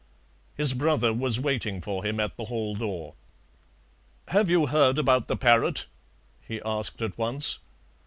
His brother was waiting for him at the hall door. "Have you heard about the parrot?" he asked at once.